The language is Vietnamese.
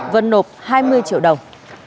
vân nộp hai mươi triệu đồng